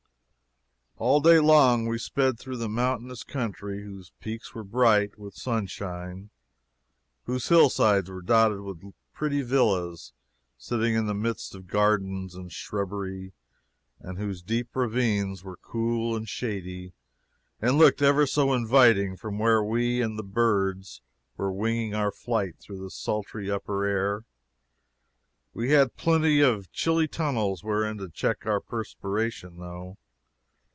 All day long we sped through a mountainous country whose peaks were bright with sunshine, whose hillsides were dotted with pretty villas sitting in the midst of gardens and shrubbery, and whose deep ravines were cool and shady and looked ever so inviting from where we and the birds were winging our flight through the sultry upper air. We had plenty of chilly tunnels wherein to check our perspiration, though.